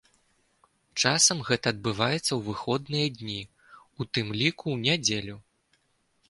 Часам гэта адбываецца ў выходныя дні, у тым ліку ў нядзелю.